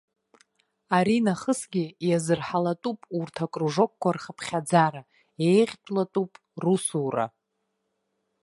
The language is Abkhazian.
Аринахысгьы иазырҳалатәуп урҭ акружокқәа рхыԥхьаӡара, еиӷьтәлатәуп русура.